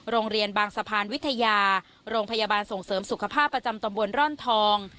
โรงเรียนบางสะพานวิทยาโรงพยาบาลส่งเสริมสุขภาพประจำตำบลร่อนทอง